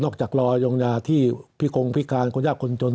จากรอยงยาที่พิกงพิการคนยากคนจน